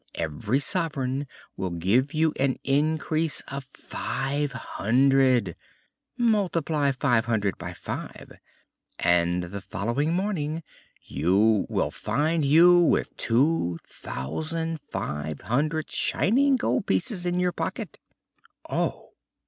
Every sovereign will give you an increase of five hundred; multiply five hundred by five, and the following morning will find you with two thousand five hundred shining gold pieces in your pocket." "Oh!